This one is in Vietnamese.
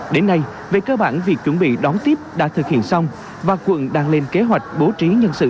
đến nay về cơ bản việc chuẩn bị đón tiếp đã thực hiện xong và quận đang lên kế hoạch bố trí nhân sự